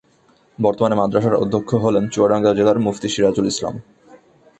বর্তমানে মাদ্রাসার অধ্যক্ষ হলেন চুয়াডাঙ্গা জেলার মুফতি সিরাজুল ইসলাম।